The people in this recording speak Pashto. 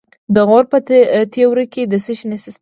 د غور په تیوره کې د څه شي نښې دي؟